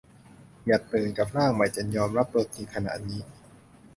อย่าตื่นกับร่างใหม่จนยอมรับตัวจริงขณะนี้